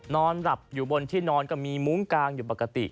นอนหลับอยู่บนที่นอนก็มีมุ้งกางอยู่ปกติ